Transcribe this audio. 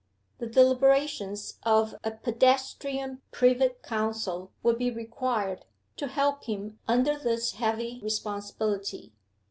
The deliberations of a pedestrian privy council would be required to help him under this heavy responsibility.